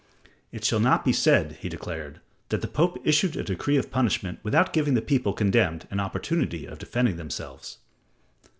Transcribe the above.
"It shall not be said," he declared, "that the Pope issued a decree of punishment without giving the people condemned an opportunity of defending themselves."